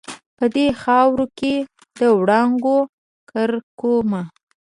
په دې خاورو کې د وړانګو کرکومه